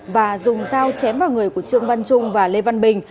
và dùng dao chém vào người của trương văn trung và lê văn bình